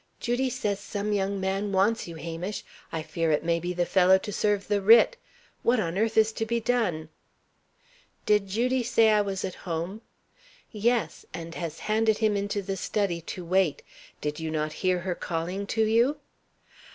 "Judy says some young man wants you, Hamish! I fear it may be the fellow to serve the writ. What on earth is to be done?" "Did Judy say I was at home?" "Yes; and has handed him into the study, to wait. Did you not hear her calling to you?"